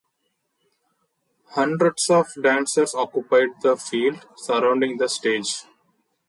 Hundreds of dancers occupied the field surrounding the stage.